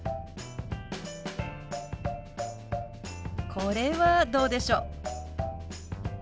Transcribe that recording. これはどうでしょう？